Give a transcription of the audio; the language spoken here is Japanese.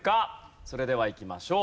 それではいきましょう。